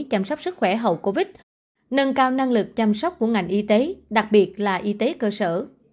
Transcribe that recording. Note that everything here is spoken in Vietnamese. chăm sóc sức khỏe hậu covid nâng cao năng lực chăm sóc của ngành y tế đặc biệt là y tế cơ sở